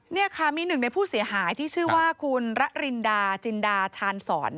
นี่ค่ะมีหนึ่งในผู้เสียหายที่ชื่อว่าคุณระรินดาจินดาชาญสอน